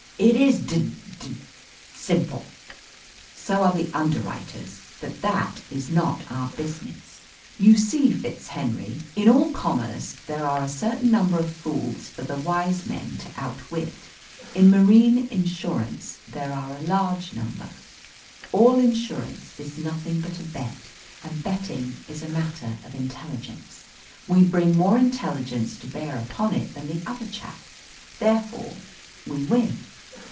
"It is; d d simple! So are the underwriters; but that is not our business. You see, FitzHenry, in all commerce there are a certain number of fools for the wise men to outwit. In marine insurance there are a large number. All insurance is nothing but a bet, and betting is a matter of intelligence. We bring more intelligence to bear upon it than the other chap, therefore we win."